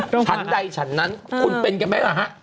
ชั้นใดชั้นนั้นคุณเป็นอย่างไรนะฮะ